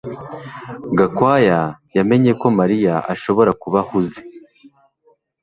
Gakwaya yamenye ko Mariya ashobora kuba ahuze